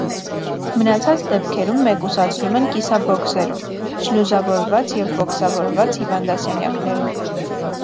Մնացած դեպքերում մեկուսացնում են կիսաբոքսերում, շլյուզավորված և բոքսավորված հիվանդասենյակներում։